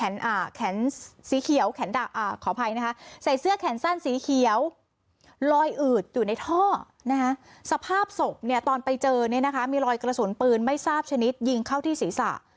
รอยอืดอยู่ในท่อสภาพศพตอนไปเจอมีรอยกระสุนปืนไม่ทราบชนิดยิงเข้าที่ศรีษะ